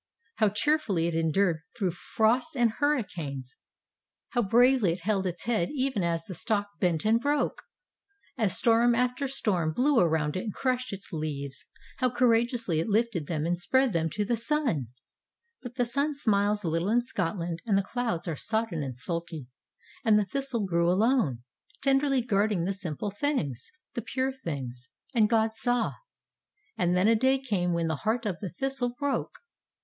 How cheerfully it endured through frosts and hurricanes ! How bravely it held its head even as the stalk bent and broke! As storm after THE THISTLE ST storm blew around it and crushed its leaves, how cour ageously it lifted them and spread them to the sun ! But the sun smiles little in Scotland and the clouds are sodden and sulky. And the thistle grew alone, ten derly guarding the simple things, the pure things. And God saw. And then a day came when the heart of the thistle broke.